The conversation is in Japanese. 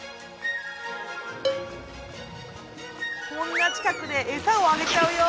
こんな近くでエサをあげちゃうよ。